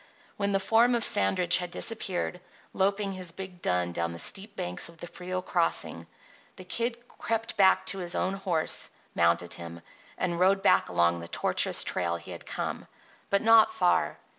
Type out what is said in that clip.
When the form of Sandridge had disappeared, loping his big dun down the steep banks of the Frio crossing, the Kid crept back to his own horse, mounted him, and rode back along the tortuous trail he had come. But not far.